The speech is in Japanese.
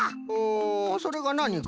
んそれがなにか？